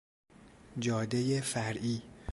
جادهی فرعی